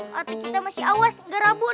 waktu kita masih awas gak rabun